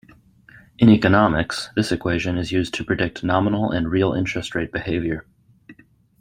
In economics, this equation is used to predict nominal and real interest rate behavior.